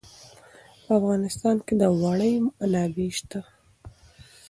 په افغانستان کې د اوړي منابع شته.